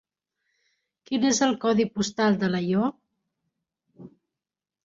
Quin és el codi postal d'Alaior?